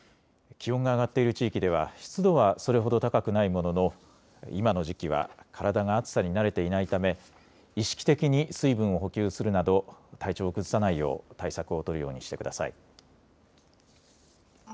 気温が上がっている地域では湿度はそれほど高くないものの今の時期は体が暑さに慣れていないため意識的に水分を補給するなど体調を崩さないよう対策を取るようにしてください。